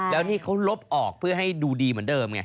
แล้วนี่เขาลบออกเพื่อให้ดูดีเหมือนเดิมไง